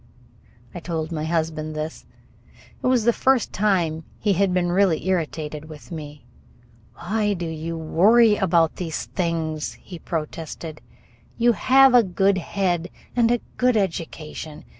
I told my husband this. It was the first time he had been really irritated with me. "Why do you worry about these things?" he protested. "You have a good head and a good education.